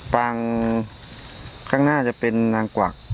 ปางข้างหน้าจะเป็นนางกวัก